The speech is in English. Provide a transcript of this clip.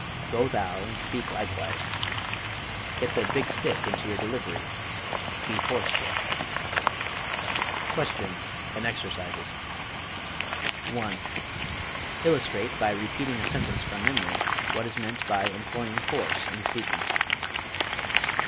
Go thou and speak likewise. Get the "big stick" into your delivery be forceful. QUESTIONS AND EXERCISES 1. Illustrate, by repeating a sentence from memory, what is meant by employing force in speaking.